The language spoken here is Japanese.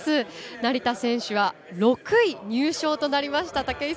成田選手は６位入賞となりました。